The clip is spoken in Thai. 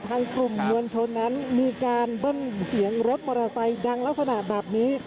กลุ่มมวลชนนั้นมีการเบิ้ลเสียงรถมอเตอร์ไซค์ดังลักษณะแบบนี้